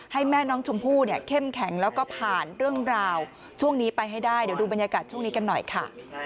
ให้แม่น้องชมพู่เนี่ยเข้มแข็งแล้วก็ผ่านเรื่องราวช่วงนี้ไปให้ได้เดี๋ยวดูบรรยากาศช่วงนี้กันหน่อยค่ะ